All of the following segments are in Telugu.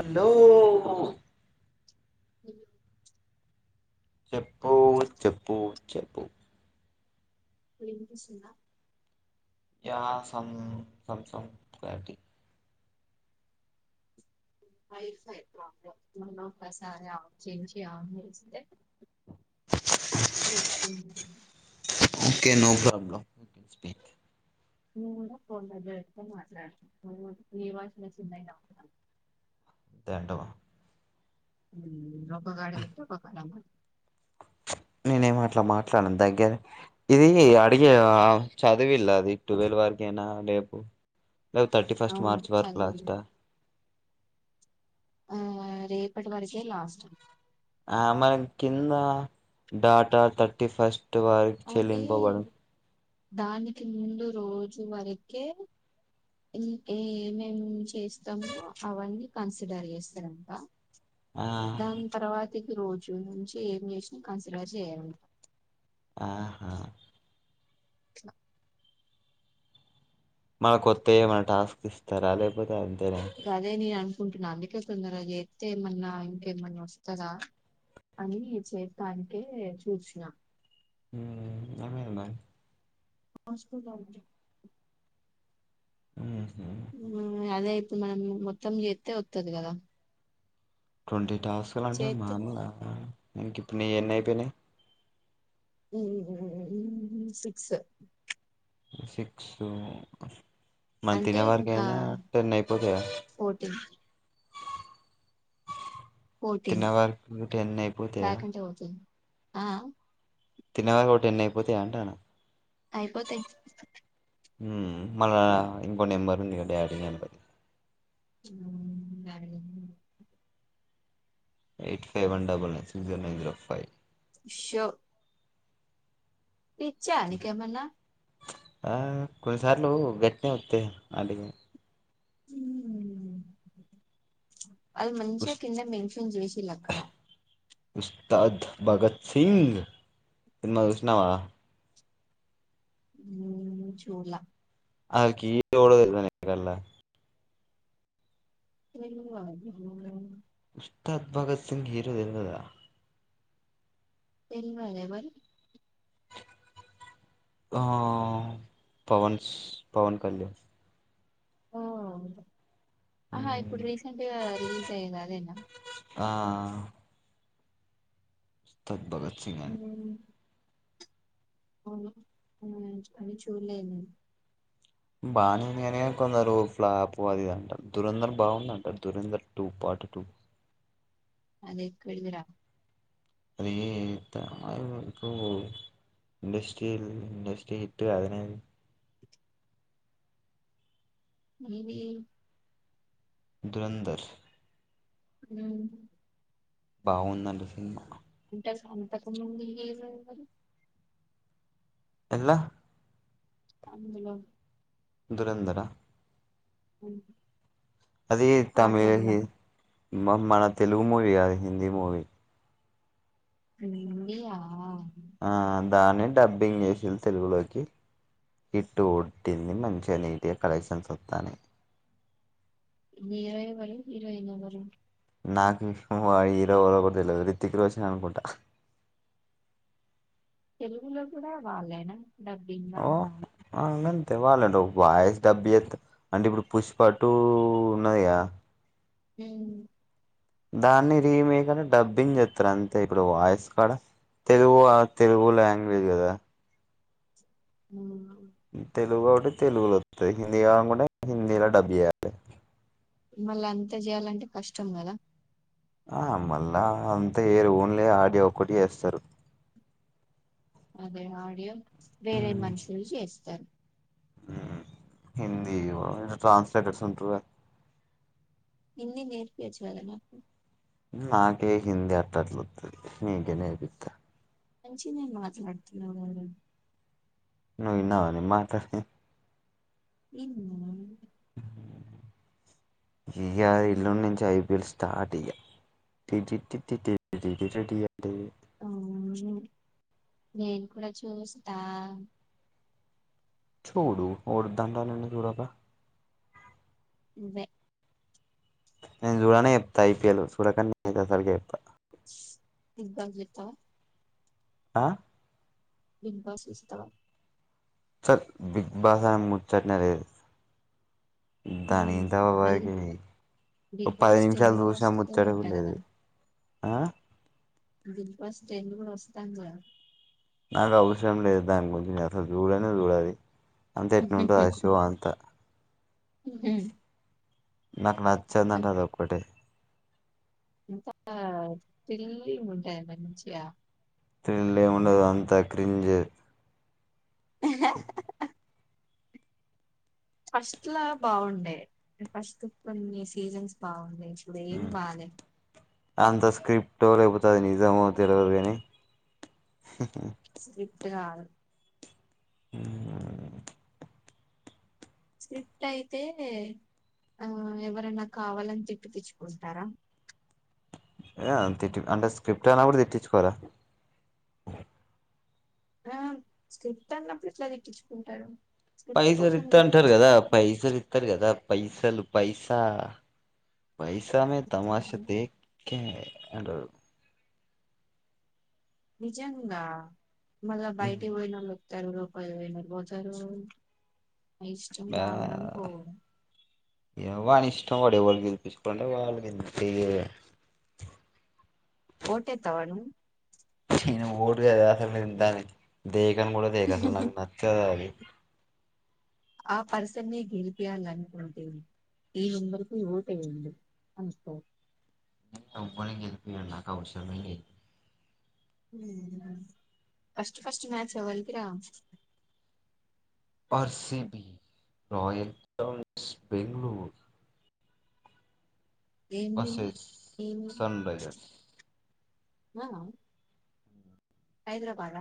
హలో అ చెప్పు చెప్పు చెప్పు వినిపిస్తుందా యా సం సం క్లారిటీ రైట్ సైడ్ ప్రాబ్లం ఒకసారి ఆఫ్ చేసి ఆన్ చేస్తే వస్తు ఓకే స్పీక్ ఫోన్ దగ్గర పెట్టుకొని మాట్లాడాతము నీ వాయిస్ చిన్నగా వినపడుతుంది. అంటావా రపకాడ బట్ ర ఒక గడమా [unintelligible] నేనేమి అట్లా మాట్లాడను దగ్గర ఇది అడిగే చదివిల్లా అది ట్వెల్వ్ వారికి నా రేపు రేపు థర్టీ ఫస్ట్ అవును మార్చ్ వరకు చదివింది లాస్ట్ ఆ రేపటి వరకే లాస్ట్ ఆమెరాన్ కింద డాటా థర్టీ ఫస్ట్ వ అది చెల్లింపబడవు. దానికి ముందు రోజు వరకే ఇంకే ఏమేం చేస్తాము అవన్నీ కన్సిడర్ చేస్తాడంట ఆ దాని తర్వాతకి రోజు నుంచి ఏమి చేసిన కన్సిడర్ చేయారూ అట ఆహా [inaudible] మన కొత్త ఏమన టాస్క్ ఇస్తారా లేకపోతే అ గాదే నేను అనుకుంటున్నా అందుకే తోదర ఎస్త ఏమన్నా ఇంకేమన్నా ఓస్తందా అని చేయానికే చూసినా [unintelligible] ఆస్కు ఉమ్ అదే ఈప్ మనం మొత్తం జెతే ఓతది కదా ట్వంటీ టాస్క్ అంటే చేస్తే మామూల ఈ నీ ఎన్ని అయిపోయినాయి స్ స్ సిక్స్ మన్ అంటే తినే ఇంకా వరకైయినా టెన్ అయిపోతాయా ఫోర్టీన్ ఫోర్టీన్ తినే వరకు టెన్ అయిపోతాయా బ్యాక్ అంటే ఓకే ఆ తినేవాళ ఒకటి ఎన్ని అయిపోతా అంట అయిపోత్తే ఉమ్ మళ్ళా ఇంకో నెంబర్ ఉంది daddy um daddy eight five one double nine సిస్ జీరో నైన్ జీరో ఫైవ్ షో పిచ్చా నీకెమన్నా అ కొన్నిసార్లు గట్నే ఓతయి అడి చ్ అళ్ది మంచిగా ఉస్ కింద మెన్షన్ జేషిలక్కడ ఉస్తాద్ భగత్ సింగ్ సినిమా చూసినవా ఉమ్ చూడ్ ల అ కీోడు వరునేలా తె తత్ భగత్ సింగ్ హీరో ఎదా తెల్ వాే బరి ఏమో పవన్స్ పవన్ కళ్యాణ్ హుహుమ్ ఆహా ఇప్పుడు రీసెంట్గా రిలీజ్ అయ్యేది అదేనా ఆ స్తాగ్ దగవే [unintelligible] అవు అని చూడలేన్ నేను బాగానేవుంది కాని కొందరు ఫ్లాప్ అదిదింటారు. దురంధర బాగుందంటారు దురంధం టూ ప పట్టుకు అదేక్కడిదిరా అది ఏత్తరు ఇప్పు ఇంండస్ట్రిల్ ఇండస్ట్రీ హిట్ అద నేనేం ధంధర్ [unintelligible] బాగుందండి సినిమా ఉంటది సంతకు ముందు ఎలా అందులో దురంధరా అవు అది తమిళ హ మ మన తెలుగు మూవీ అది హిందీ మూవీ. ఇయా ఆ దాన్ని డబ్బింగ్ చేసది తెలుగులోకి హిట్టు ఒడ్టింది మంచిగా నీట్గా కలెక్షన్స్ వస్తాను నిరోయవరి నిరోయినా బర నాకు హీరో ఒకర ఒకరు తెలియదు రితిక్ రోజు అనుకుంటా తెలువులో కూడా వాళ్ళేనా డబ్బింగ్ వు అంతే వాళ్ళండి వాయిస్ డబ్బు చేస్తా అంటే ఇప్పుడు పుష్పటు ఉన్నదిగా హ దాన్ని రీమేక్ అని డబ్బింగ్ చేస్తారు అంతే ఇప్పుడు వాయిస్ కూడా తెలుగు తెలుగు లాంగ్వేజ్ కదా ఉ తెలుగు ఒకటి తెలుగులో వస్తుంది హిందీ కానుకుంటడా హిందీలా డబ్బు చేయాలి మళ్ళ అంతా చేయాలంటే కష్టం కదా ఆ మళ్ళా అంతా ఏరు ఓన్లే ఆడియో ఒకటి వస్తారు అదే ఆడియో వేరే మనుషులు చేస్తారు హిందీ ట్రాన్స్లేటర్స్ ఉంటే ఇన్ని నేర్పిచ్చువాాల నాకు నాే హిందీ అర్ట ఆడ్లుతుది నీగేనే బిత్త మంచి నేను మాట్లాడుతున్నా వాళు ను ఇనావాని మాట ఉ ఈఆర్ ఇల్లుడి నుంచి ఐపిఎల్ స్టార్ట్్యా టి అ అవు నేను కూడా చూస్తా చూడు ఓడు దడాాలన్న చూడబ వెే నేను చూడనే చెప్తా ఐపీఎల్ చూడక అసలుకి చెప్ా ఇ బాత ఆ బకాస్స్తతవా సర్ బిగ్ బాస్ అనే ముచ్చట్న లేదు దని ఉమ్, మళ్ళీ దవాబకి బిగ్ బాస్ టెన్ూ కూడా వస్తుస్తుందంటా కదా లేదు ఆ దల్పాస్ స్టెండ్ లో వస్తా మ నాకు అవసరం లేదు దాని గురించి నేను అసలు చూడనే చూడాలి అంత ఎట్ ఉంటంది ఆ షో అంతా నాకు నచ్చందంట అది ఒక్కటిే ఎంత పెల్లి ఉంటాయి మ మంచిగా తళ్ళ్ళ ఏముండదు అంతా అ క్రింజ ఫస్ట్ లా బాగుండే ఫస్ట్ కొన్ని సీజన్స్ బాగుండే ఇప్పుడేం బాల అంత స్క్రిప్టో లేకపోతే అది నిజమో తెలియదు కాని స్్రిప్ట్ కాల్ స్క్రిప్ట్ అయితే ఆ ఎవరైనా కావాలని తిప్పి పచ్చుకుంటారా యా తిట్టు అంటే స్క్రిప్ట్ అయినప్పుడు తిట్టించుకోరా. ఆ స్క్రిప్ట్ అన్నప్పుడు ఇట్లా తిట్టిచుకుంటారు. పైసల్ రిత్తంటారు కదా పైసలు ఇత్తరు కదా పైసలు. పైసా పైసా మే అంతే తమాషా అండి డెక్ కే అంటరూ నిజంగా మళ్ళ బయటి పోయినోలు తరు రపాయినవతరు. ఇష్టం రావడం పోవడం. ఎవని ఇష్టం పడే వాళ్ళకి గెలిపించుకోంటే వాళ్ళుకిి. ఓటు యాతవ నువ్వు దీనమ్మ ఓట్ కాదు అసలు దేఖను కూడా దేఖను అసలు నచ్చదు అది. ఆ పర్సని గెరిపియాలనుకుంటే ఈ ఉందర్కి ఓటు వేయండి అంతే ఎవడిని గెలిపియాను నాకు అవసరమే లేదు. హ్మ్మ్ ఫస్ట్ ఫస్ట్ మచ్ ఏవలికిరా R C B, royal చాలంస్ Bengaluru ఏం వర్సెస్ ఏమీ సన్ రైజర్స్ ఆ హైదరాబాద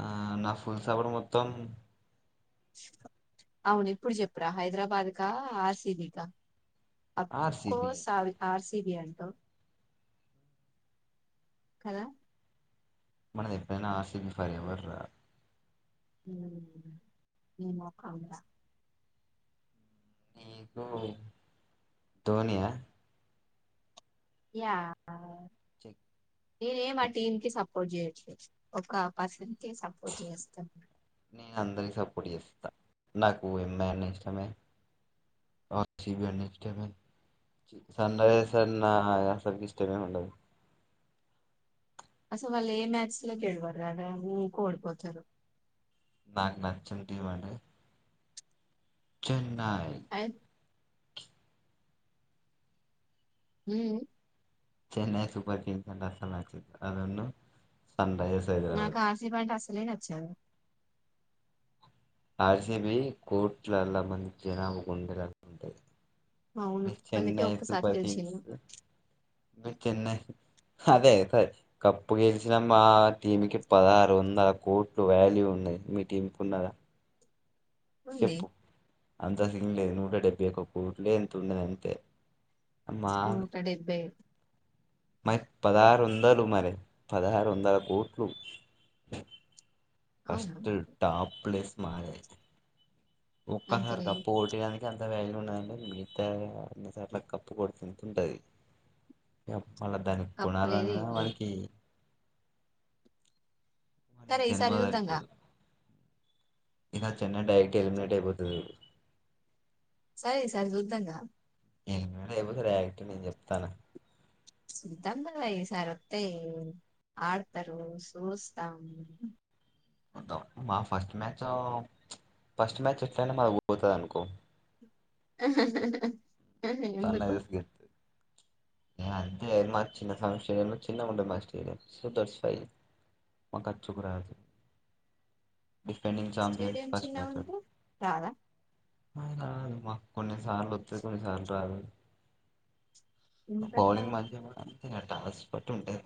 ఆ నా ఫుల్ సపోర్ట్ మొత్తం అవును ఇప్పుడు చెప్పరా హైదరాబాద్ క, ఆర్ సి బి క ఆర్సిబి ఆఫీసర్స్ అది ఆర్ సి బి అంటావు కదా మనది ఎప్పుడేనా ఆర్ సి బి ఫరెవర్ రా హ్మ్ నీ మొఖం రా నీకు ధోనియా. య్యా చెక్. నేనే మా టీంకి సపోర్ పోర్ట్ చేయటలే ఒక పర్సన్ కి సపోర్ట్ చేస్తాను నేను అందరికి సపోర్ట్ చేస్తా నక్ ఉమెన్ ఇష్టమే ఆర్ సి బి ఇష్టమే సన్ రైసెస్ అన్న అసలకి ఇష్టమే ఉండదు. అసలు వాళ్ళు ఏ మ్యాచ్ లో గెల్లవారు రారా ఊకో ఓడిపోతారు. నాకు నచ్చని టీం అదే చెన్నయ్ అయ్ ఉహ్మ్మ్ చెన్నై సూపర్ కింగ్స్ అంటే అసల నచ్చదు అదను. నాకు ఆర్ సి బి అంటే అసలే నచ్చదు. ఆర్ సి బి, కోట్లల మంది జనాభా గుండెలా ఉంటాయి. అవును మీ అందుకే చెన్నై ఒక్కసారి సూపర్ కింగ్స్, గెలిచింది మీ చెన్నై. అదే సరే కప్పు గెలిచిన మా టీంకిి పదహారు వందల కోట్లు వాల్యూ ఉన్ లేర్ మీ టీం కి ఉన్నారా. ఉంది చెప్పు అంతా సీన్ లే నూట డెబ్భై ఒక్క కోట్లే ఎంతో ఉన్నదే అంతే మా నూట డెబ్బై. మరి పదహారు వందలు, మరి పదహారు వందల కోట్లు. అవును ఫస్ట్ టాప్ ప్లేస్ మాదే ఒక్క అంత సారి కప్ లేదు కొట్టేడానికే అంత్ ఎంత వాల్యూ ఉన్నదంటే మిగతా అన్ని సార్లు కప్పు కొడితే అంత ఉంటది. మళ్ళ దానికి కప్పు లేదు కొనాలన్నా ఏం లేదు వాడికి. మరో సరే ఈసారి జన్మలో చూద్దాంగా సరిపోదు. ఇక చెన్నై డైరెక్ట్ ఎలిమినేట్ అయిపోతది సరే ఈ సారి చూద్దాంగా ఎ రపు సార్ యాక్ట్ నేను చెప్తానా సితబల ఈ సారి వస్తాయి ఆడతరు చూస్తాము మా ఫస్ట్ మ్యాచ్ ఫస్ట్ మ్యాచ్ ఎట్లనే మాది పోతుంది అనుకో సన్ ఎందుకు రైజర్స్ గెలుత్తది అంతే చిన్న చిన్న స్టేడియం ఉంటది సో థాట్స్ వై మాకుచ్చుకు రాదు [inaudible] [inaudible] డిఫెండింగ్ చాంపియన్ స్టేడియం ఫస్ట్ చిన్నగా మ్యాచ్లో ఉంటే రాదా అయిన మాకు కొన్నిసార్లు వస్తాది కొన్నిసార్లు రాదు ఎందుకట్లా బౌళింగ్ మాధ్యట్ట ఇంకా టాస్క్ బట్టి ఉంటది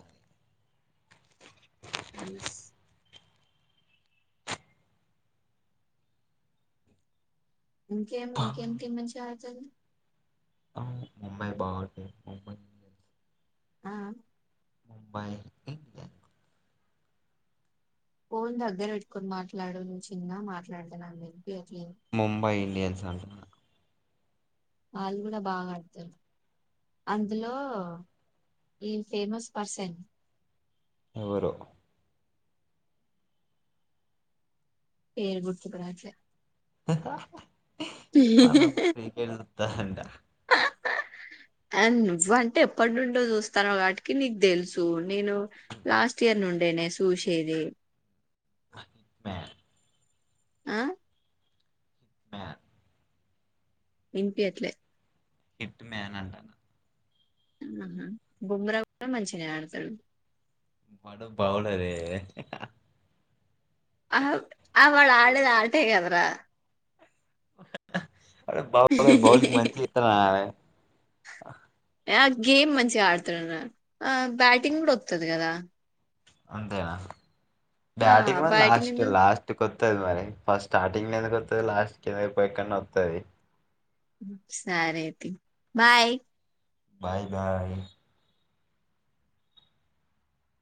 అ ఇంకేం ఇంకేమి మంచిగా ఆడుతారు ముంబై బాగా ఆడతాది ముంబై ఆ ముంబై ఇండియా [inaudible] ఫోన్ దగ్గర పెట్టుకొని మాట్లాడు నువ్వు చిన్నగా మాట్లాడతంతే వినిపియట్లేదు [inaudible] వాళ్ళు కూడా బాగా ఆడుతరూ అందులో ఈ ఫేమస్ పర్సన్ ఎవరు పేరు గుర్తుకు రావట్లే మళ క్రికెట్ ద అడా [inaudible] అండ్ నువ్వ అంటే ఎప్పటి నుండో చూస్తానో వాటికి నీకు తెలుసు నేను లాస్ట్ ఇయర్ ను ఉండేనే సూషది బ ఆ ఆ వినిపేయర్లే హిట్ మేన్ అంటన్న ఆహా బుమ్రా కూడా మంచినే ఆడతాడు వాడు బౌలర్ ఆ ఆ వాడు ఆడేది ఆటే కదరా అరే బౌ బౌలింగ్ మంచి ఇ ఏ గేమ్ మంచిగా ఆడుతున్నారు ఆ బ్యాటింగ్ కూడా వస్తుది కదా అంతేనా ఆ బ్యాటింగ్ మరి బ్యాటింగ్ లాస్ట్ ఎందుకు లాస్ట్ కొద్ది వస్తుది మరి ఫస్ట్ స్టార్టింగ్ ఎందుకుతుది లాస్ట్ కి పోయ కన్నా వస్తుంది సారే తి బాయ్ బాయ్ బాయ్